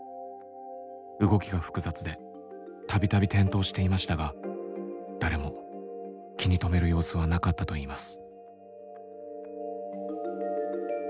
動きが複雑で度々転倒していましたが誰も気に留める様子はなかったといいます。